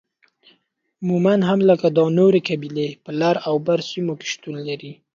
مومند هم لکه دا نورو قبيلو په لر او بر سیمو کې شتون لري